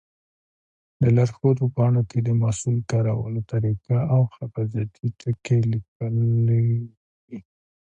د لارښود په پاڼو کې د محصول کارولو طریقه او حفاظتي ټکي لیکلي وي.